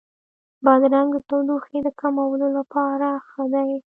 بادرنګ د تودوخې د کمولو لپاره ښه دی.